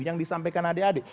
yang disampaikan adik adik